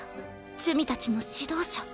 珠魅たちの指導者。